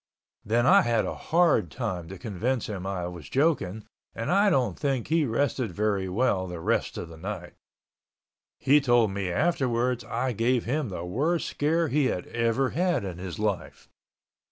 Then I had a hard time to convince him I was joking and I don't think he rested very well the rest of the night. He told me afterwards I gave him the worst scare he had ever had in his life.